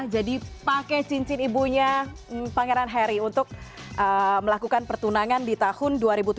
pakai cincin ibunya pangeran harry untuk melakukan pertunangan di tahun dua ribu tujuh belas